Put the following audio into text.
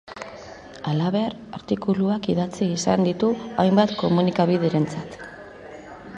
Halaber, artikuluak idatzi izan ditu hainbat komunikabiderentzat.